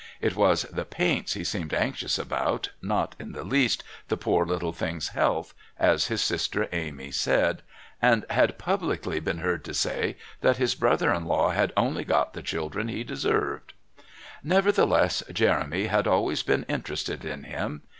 (It was the paints he seemed anxious about, not in the least the poor little thing's health, as his sister Amy said), and had publicly been heard to say that his brother in law had only got the children he deserved. Nevertheless Jeremy had always been interested in him.